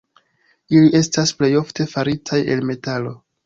Ili estas plej ofte faritaj el metalo.